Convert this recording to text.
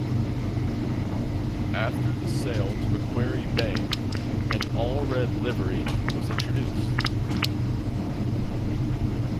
After the sale to Macquarie Bank, an all red livery was introduced.